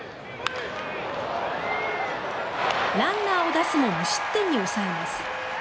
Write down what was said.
ランナーを出すも無失点に抑えます。